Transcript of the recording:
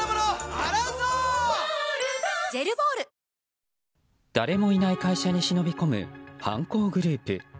「ほんだし」で誰もいない会社に忍び込む犯行グループ。